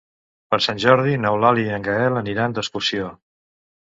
Per Sant Jordi n'Eulàlia i en Gaël aniran d'excursió.